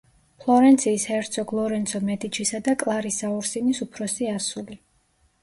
ფლორენციის ჰერცოგ ლორენცო მედიჩისა და კლარისა ორსინის უფროსი ასული.